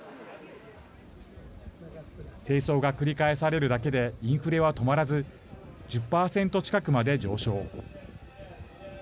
政争が繰り返されるだけでインフレは止まらず１０％近くまで上昇。